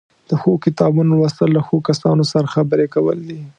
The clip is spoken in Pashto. د ښو کتابونو لوستل له ښو کسانو سره خبرې کول دي.